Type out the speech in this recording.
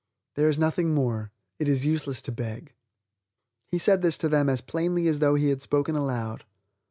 "There is nothing more. It is useless to beg." He said this to them as plainly as though he had spoken aloud.